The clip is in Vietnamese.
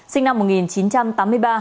sinh năm một nghìn chín trăm tám mươi ba